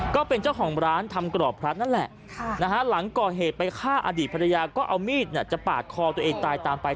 ก็เป็นเจ้าของร้านทำกรอบพระนั่นแหละหลังก่อเหตุไปฆ่าอดีตภรรยาก็เอามีดจะปาดคอตัวเองตายตามไป